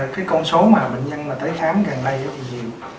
cái con số mà bệnh nhân tới khám gần đây rất là nhiều